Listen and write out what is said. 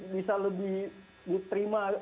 bisa lebih diterima